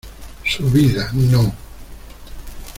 ¡ su vida, no!